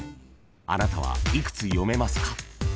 ［あなたは幾つ読めますか？］